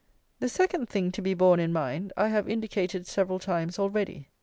The second thing to be borne in mind I have indicated several times already.